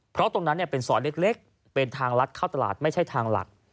เพราะตรงนั้นเป็นซอยเล็กเป็นทางลัดเข้าตลาดไม่ใช่ทางหลัก